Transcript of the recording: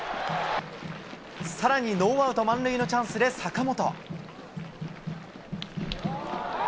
さらに、ノーアウト満塁のチャンスで坂本。